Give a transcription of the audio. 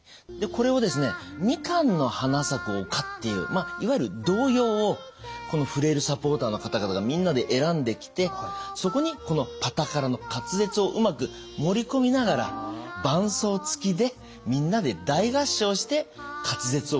これをですね「みかんの花咲く丘」っていういわゆる童謡をこのフレイルサポーターの方々がみんなで選んできてそこにこの「パタカラ」の滑舌をうまく盛り込みながら伴奏つきでみんなで大合唱して滑舌をトレーニングする。